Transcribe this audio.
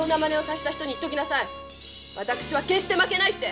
私は決して負けないって！